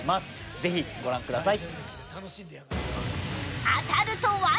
ぜひご覧ください。